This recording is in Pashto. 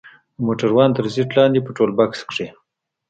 د موټروان تر سيټ لاندې په ټولبکس کښې.